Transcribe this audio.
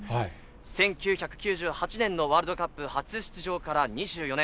１９９８年のワールドカップ初出場から２４年。